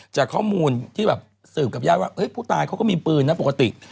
จากข้อมูลที่แบบสืบกับญาติว่าผู้ตายเขาก็มีปืนนะปกติ